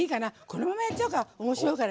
このままやっちゃおうか。